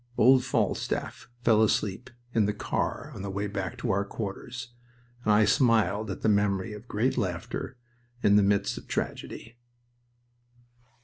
Old Falstaff fell asleep in the car on the way back to our quarters, and I smiled at the memory of great laughter in the midst of tragedy.